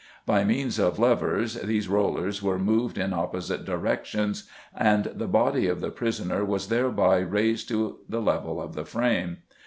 By means of levers these rollers were moved in opposite directions and the body of the prisoner was thereby raised to the level of the frame.